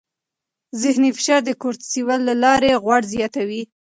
ذهني فشار د کورتیسول له لارې غوړ زیاتوي.